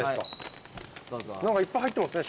いっぱい入ってますね